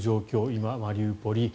今、マリウポリ。